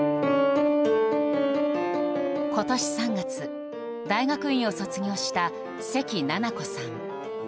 今年３月、大学院を卒業した關奈々子さん。